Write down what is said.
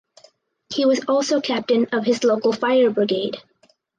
He was also Captain of his local Fire Brigade.